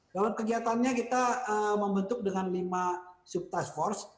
dalam kegiatannya kita membentuk dengan lima sub task force